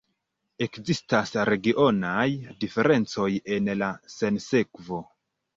Ekzistas regionaj diferencoj en la sinsekvo.